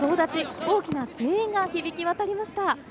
大きな声援が響き渡りました。